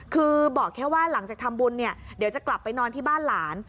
คือบอกแค่ว่าหลังจากทำบุญเนี่ยเดี๋ยวจะกลับไปนอนที่บ้านหลาน